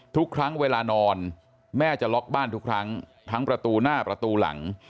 ทุกครั้งเวลานอนแม่จะล็อกบ้านทุกครั้งทั้งประตูหน้าประตูหลัง